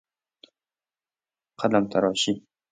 قلمتراشی